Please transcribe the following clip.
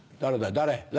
誰？